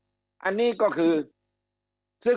คำอภิปรายของสอสอพักเก้าไกลคนหนึ่ง